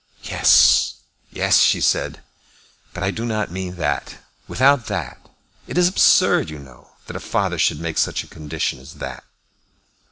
"Yes; yes;" she said; "but I do not mean that; without that. It is absurd, you know, that a father should make such a condition as that."